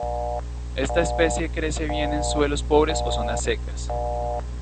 Esta especie crece bien en suelos pobres o zonas secas.